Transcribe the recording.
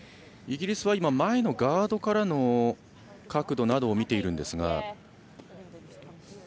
イギリスは前のガードからの角度などを見ていますが。